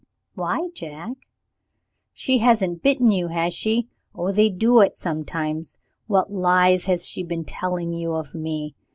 "Why, Jack?" "She hasn't bitten you, has she? Oh, they do it sometimes! What lies has she been telling you of me?